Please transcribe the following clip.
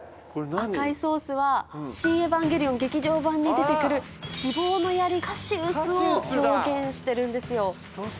赤いソースは『シン・エヴァンゲリオン劇場版』に出て来る。を表現してるんですよ。